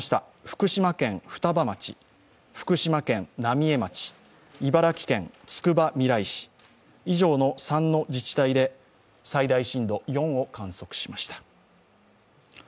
福島県双葉町、福島県浪江町、茨城県つくばみらい市、以上の３の自治体で最大震度４を観測しました。